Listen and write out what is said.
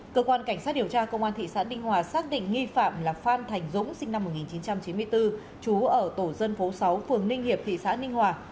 cơ quan cảnh sát điều tra công an thị xã ninh hòa xác định nghi phạm là phan thành dũng sinh năm một nghìn chín trăm chín mươi bốn chú ở tổ dân phố sáu phường ninh hiệp thị xã ninh hòa